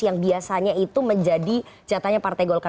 yang biasanya itu menjadi jatahnya partai golkar